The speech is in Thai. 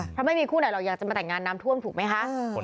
เพราะไม่มีคู่ไหนหรอกอยากจะมาแต่งงานน้ำท่วมถูกไหมคะ